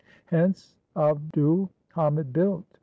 Hence Abd ul Hamid built.